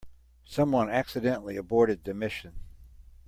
Someone accidentally aborted the mission.